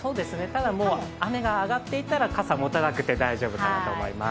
ただ、雨が上がっていたら、傘、持たなくて大丈夫だと思います。